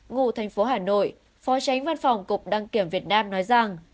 ngụ thành phố hà nội phó tránh văn phòng cục đăng kiểm việt nam nói rằng